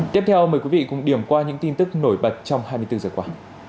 tiếp theo mời quý vị cùng điểm qua những tin tức nổi bật trong hai mươi bốn giờ qua